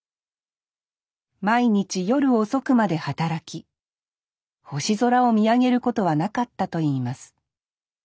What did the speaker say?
毎日夜遅くまで働き星空を見上げることはなかったと言います